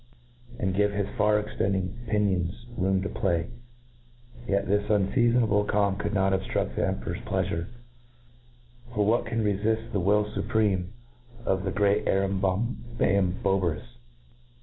ind give his far extending pi nions room to play/ Yet this unfeafonable calm could not obftruft the Emperor's pleafure j for what can refift the will fupremc of the great A tambombamboberus